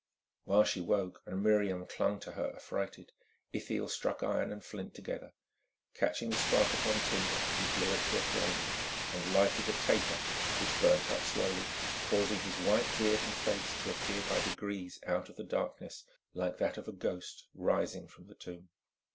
While she spoke and Miriam clung to her affrighted, Ithiel struck iron and flint together. Catching the spark upon tinder he blew it to a flame and lighted a taper which burnt up slowly, causing his white beard and face to appear by degrees out of the darkness, like that of a ghost rising from the tomb.